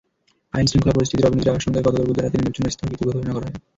আইনশৃঙ্খলা পরিস্থিতির অবনতির আশঙ্কায় গতকাল বুধবার রাতে নির্বাচন স্থগিত ঘোষণা করা হয়।